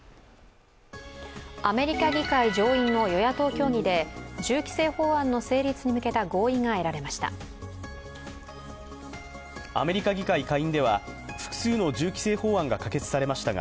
アメリカ議会上院の与野党協議で銃規制法案の成立に向けた合意が得られました。